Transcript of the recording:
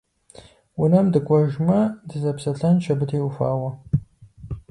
Унэм дыкӏуэжмэ, дызэпсэлъэнщ абы теухуауэ.